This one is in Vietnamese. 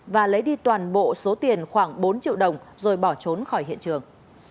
và lấy đi toàn bộ số tiền khoảng bốn triệu đồng rồi bỏ trốn khỏi hiện trường